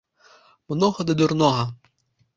Многа ды дурнога